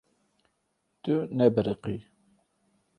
Tu nebiriqî.